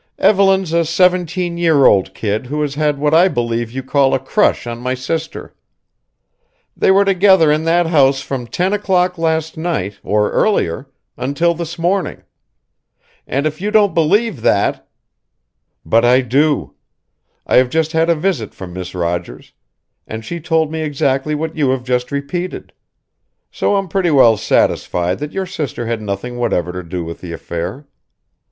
Evelyn's a seventeen year old kid who has had what I believe you call a crush on my sister. They were together in that house from ten o'clock last night, or earlier, until this morning. And if you don't believe that " "But I do. I have just had a visit from Miss Rogers, and she told me exactly what you have just repeated; so I'm pretty well satisfied that your sister had nothing whatever to do with the affair.